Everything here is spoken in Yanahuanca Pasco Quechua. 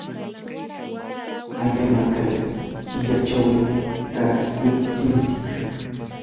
ayamarqay killachawmi tatsikuntsik.